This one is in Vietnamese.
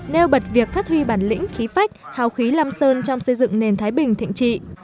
nêu bật việc phát huy bản lĩnh khí phách hào khí lam sơn trong xây dựng nền thái bình thịnh trị